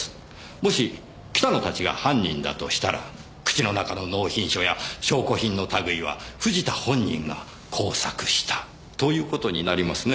もし北野たちが犯人だとしたら口の中の納品書や証拠品の類は藤田本人が工作したという事になりますね。